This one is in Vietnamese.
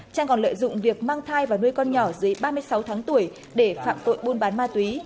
trang còn lợi dụng việc mang thai và nuôi con nhỏ dưới ba mươi sáu tháng tuổi để phạm tội buôn bán ma túy